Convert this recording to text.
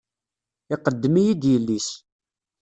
Iqeddem-iyi-d yelli-s.